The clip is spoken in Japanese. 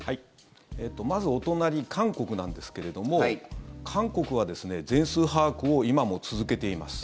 まず、お隣韓国なんですけれども韓国は全数把握を今も続けています。